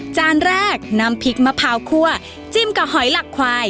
จานแรกน้ำพริกมะพร้าวคั่วจิ้มกับหอยหลักควาย